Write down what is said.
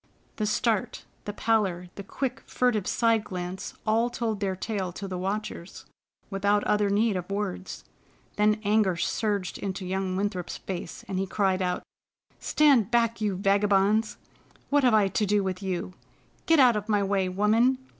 The start, the pallor, the quick, furtive side glance, all told their tale to the watchers, without other need of words. Then anger surged into young Winthrop's face, and he cried out: "Stand back, you vagabonds! What have I to do with you? Get out of my way, woman!